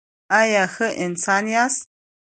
ایا ښه انسان یاست؟